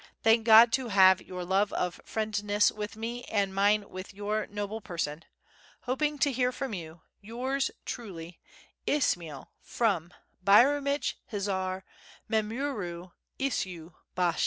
Thank God to have your love of friendness with me and mine with your noble person. Hopeing to hear from you, Yours truly, ISMAYEL, from Byramich hizar memuerue iuse bashi.